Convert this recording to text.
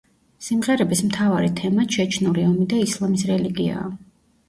სიმღერების მთავარი თემა ჩეჩნური ომი და ისლამის რელიგიაა.